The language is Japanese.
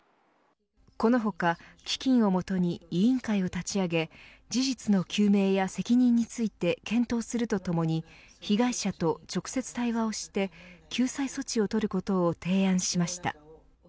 この他、基金を元に委員会を立ち上げ事実の究明や責任について検討するとともに被害者と直接対話をして救済措置を取ることを提案しました。